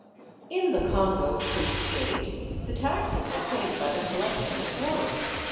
In the Congo Free State the taxes are paid by the collection of rubber.